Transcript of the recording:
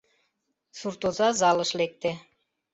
Суртоза залыш лекте.